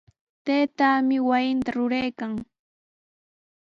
Taytaami wasita ruraykan.